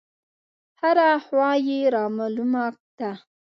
هره خوا يې رامالومه ده.